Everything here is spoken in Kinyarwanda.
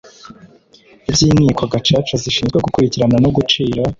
by inkiko gacaca zishinzwe gukurikirana no gucira